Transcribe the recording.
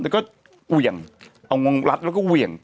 แล้วก็เหวี่ยงเอางงรัดแล้วก็เหวี่ยง